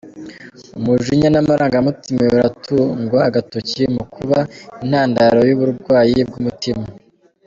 Umujinya n’amarangamutima biratugwa agatoki mukuba intandaro y’uburwayi bw’umutima